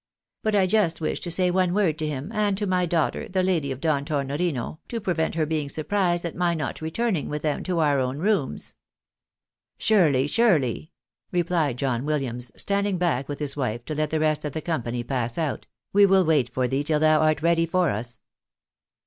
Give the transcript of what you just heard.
But I just wish to WHAT PATTY MOST ABHORS. 229 Bay one •word to him, and to my daughter, the Lady of Don Tornorino, to prevent her being surprised at my not returning with them to our own rooms." "Surely, surely," replied John Williams, standing back with Ms wife to let the rest of the company pass out, " we will wait for thee till thou art ready for us."